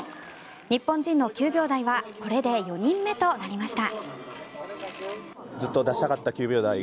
日本人の９秒台はこれで４人目となりました。